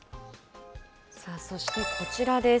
さあ、そしてこちらです。